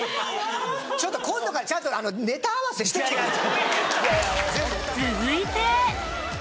ちょっと今度からちゃんとネタ合わせしてきてくれる？